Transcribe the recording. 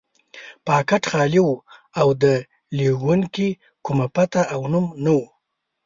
پاکټ خالي و او د لېږونکي کومه پته او نوم نه و.